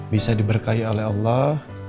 bisa diberkahi oleh allah